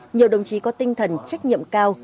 nhiều đồng chí có tinh thần trách nhiệm cao